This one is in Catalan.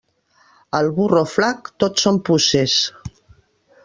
Al burro flac, tot són puces.